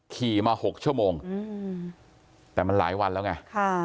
ขี่มา๖ชั่วโมงแต่มันหลายวันแล้วไง